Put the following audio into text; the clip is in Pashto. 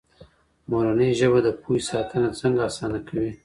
مورنۍ ژبه د پوهې ساتنه څنګه اسانه کوي؟